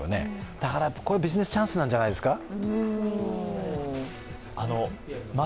だから、これはビジネスチャンスなんじゃないですか。